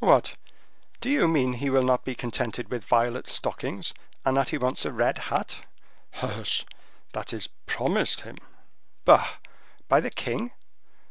"What! do you mean he will not be contented with violet stockings, and that he wants a red hat?" "Hush! that is promised him." "Bah! by the king?"